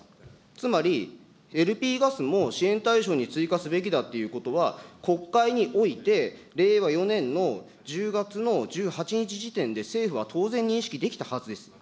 つまり、ＬＰガスも支援対象に追加すべきだということは、国会において、令和４年の１０月の１８日時点で、政府は当然、認識できたはずです。